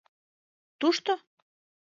Тушто?